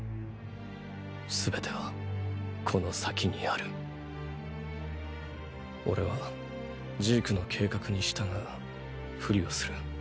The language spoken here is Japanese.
すべてはこの先にあるオレはジークの計画に従うフリをする。